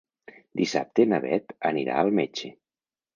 Dissabte na Beth anirà al metge.